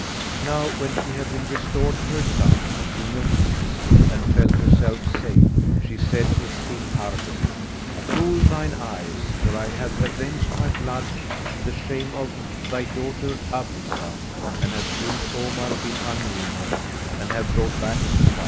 Now when she had been restored to her son, the King of Greece, and felt herself safe, she said to King Hardub, "Cool thine eyes; for I have avenged by blood the shame of thy daughter Abrizah, and have killed Omar bin al Nu'uman and have brought back Sophia.